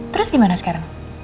terus gimana sekarang